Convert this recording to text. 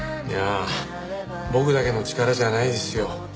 いや僕だけの力じゃないですよ。